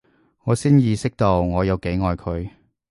我先意識到我有幾愛佢